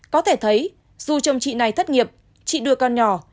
có thể thấy dù chồng chị này thất nghiệp chị đưa con nhỏ